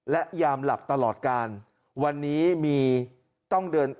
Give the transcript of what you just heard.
และยามหลับตลอดกาลวันนี้มีต้องเดิน